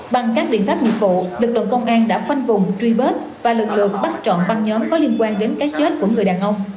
bằng các biện pháp nghiệp vụ lực lượng công an đã phanh vùng truy vết và lực lượng bắt trọn văn nhóm có liên quan đến các chết của người đàn ông